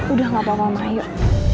udah gapapa mama yuk